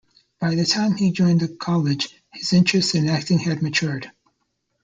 By the time he joined the college, his interest in acting had matured.